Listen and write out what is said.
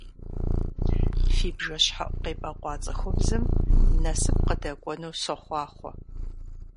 Фи бжэщхьэӀу къебэкъуа цӀыхубзым насып къыдэкӀуэну сохъуахъуэ!